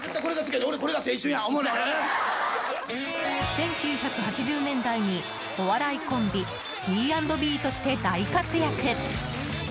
１９８０年代に、お笑いコンビＢ＆Ｂとして大活躍。